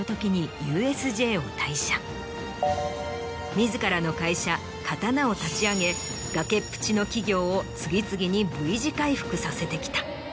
自らの会社「刀」を立ち上げ崖っぷちの企業を次々にＶ字回復させてきた。